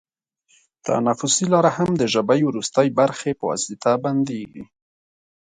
تنفسي لاره هم د ژبۍ وروستۍ برخې په واسطه بندېږي.